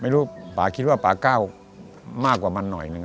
ไม่รู้ป่าคิดว่าป่าเก้ามากกว่ามันหน่อยนึง